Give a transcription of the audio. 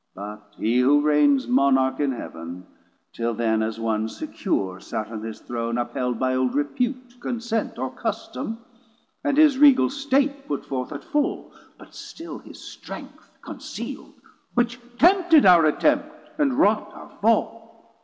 But he who reigns Monarch in Heav'n, till then as one secure Sat on his Throne, upheld by old repute, Consent or custome, and his Regal State 640 Put forth at full, but still his strength conceal'd, Which tempted our attempt, and wrought our fall.